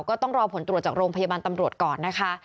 ก็ต้องรอผลตรวจจากโรงพยาบาลตำรวจก่อนนะคะ